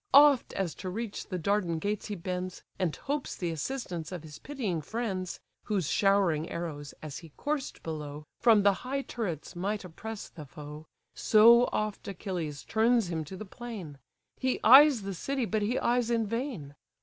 Oft as to reach the Dardan gates he bends, And hopes the assistance of his pitying friends, (Whose showering arrows, as he coursed below, From the high turrets might oppress the foe,) So oft Achilles turns him to the plain: He eyes the city, but he eyes in vain.